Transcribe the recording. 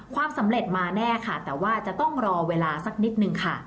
ความสำเร็จมาแน่ค่ะแต่ว่าจะต้องรอเวลาสักนิดนึงค่ะ